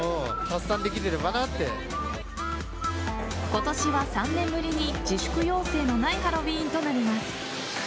今年は３年ぶりに自粛要請のないハロウィーンとなります。